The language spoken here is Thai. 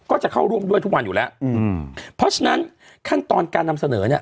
ก็จะเข้าร่วมด้วยทุกวันอยู่แล้วอืมเพราะฉะนั้นขั้นตอนการนำเสนอเนี่ย